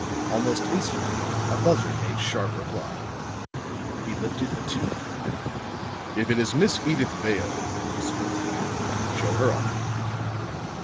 Almost instantly a buzzer made sharp reply. He lifted a tube. "If it is Miss Edyth Vale," spoke he, "show her up."